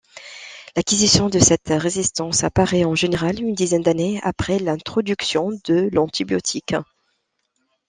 L'acquisition de cette résistance apparaît en général une dizaine d'années après l'introduction de l'antibiotique.